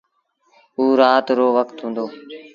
اوٚ رآت رو وکت هُݩدو۔